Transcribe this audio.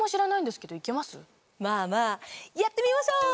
まぁまぁやってみましょう！